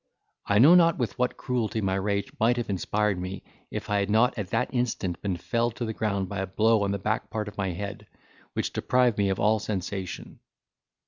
I know not with what cruelty my rage might have inspired me, if I had not at that instant been felled to the ground by a blow on the back part of my head, which deprived me of all sensation.